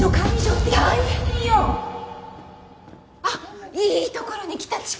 あっいいところに来た。